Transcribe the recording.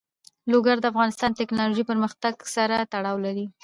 لوگر د افغانستان د تکنالوژۍ پرمختګ سره تړاو لري.